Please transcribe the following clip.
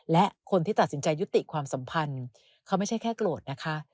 และคนที่ตัดสินใจยุติความสัมพันธ์เขาไม่ใช่แค่โกรธนะคะ